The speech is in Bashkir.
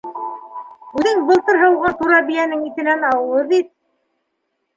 Үҙең былтыр һауған тура бейәнең итенән ауыҙ ит.